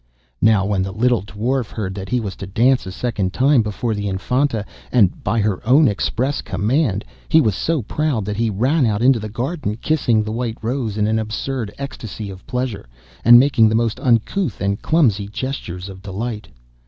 Now when the little Dwarf heard that he was to dance a second time before the Infanta, and by her own express command, he was so proud that he ran out into the garden, kissing the white rose in an absurd ecstasy of pleasure, and making the most uncouth and clumsy gestures of delight.